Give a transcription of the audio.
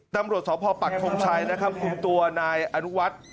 ตำรวจสพปักทงชัยนะครับคุมตัวนายอนุวัฒน์